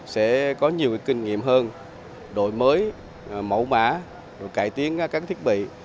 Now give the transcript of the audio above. sẽ có nhiều kinh nghiệm hơn đổi mới mẫu mã cải tiến các thiết bị